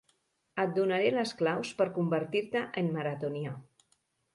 Et donaré les claus per convertir-te en maratonià.